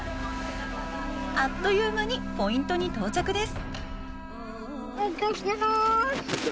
あっという間にポイントに到着です。